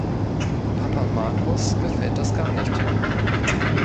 Papa Markus gefällt das gar nicht.